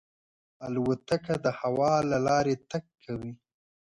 الوتکه د هوا له لارې تګ کوي.